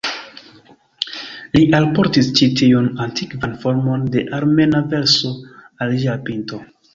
Li alportis ĉi tiun antikvan formon de armena verso al ĝia pinto.